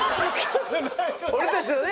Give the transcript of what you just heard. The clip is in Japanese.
俺たちのね